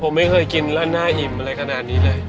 ผมไม่เคยกินแล้วน่าอิ่มอะไรขนาดนี้เลย